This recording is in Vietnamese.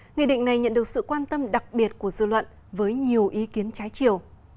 nghị định này nhận được sự quan tâm đặc biệt của dư luận với nhiều ý kiến trái chiều